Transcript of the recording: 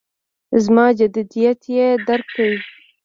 زما جدیت یې درک کړ.